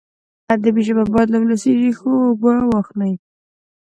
ادبي ژبه باید له ولسي ریښو اوبه واخلي.